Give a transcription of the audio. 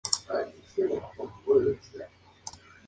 Es un lateral con mucha llegada a línea de fondo.